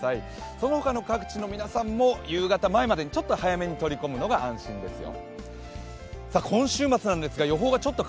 そのほかの各地の皆さんも夕方前までにちょっと早めに取り込むのが安心ですよ。